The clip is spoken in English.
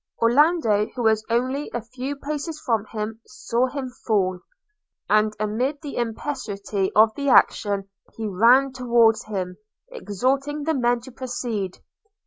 – Orlando, who was only a few paces from him, saw him fall; and, amid the impetuosity of the action, he ran towards him, exhorting the men to proceed.